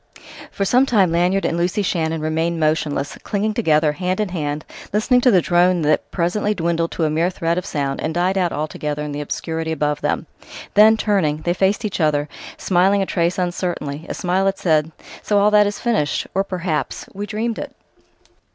For some time Lanyard and Lucy Shannon remained motionless, clinging together, hand in hand, listening to the drone that presently dwindled to a mere thread of sound and died out altogether in the obscurity above them. Then, turning, they faced each other, smiling a trace uncertainly, a smile that said: "So all that is finished! ... Or, perhaps, we dreamed it!"...